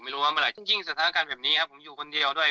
เมื่อไหร่ยิ่งสถานการณ์แบบนี้ครับผมอยู่คนเดียวด้วย